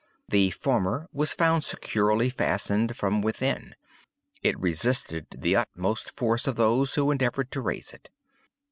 The former was found securely fastened from within. It resisted the utmost force of those who endeavored to raise it.